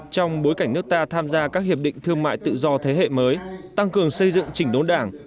trong bối cảnh nước ta tham gia các hiệp định thương mại tự do thế hệ mới tăng cường xây dựng chỉnh đốn đảng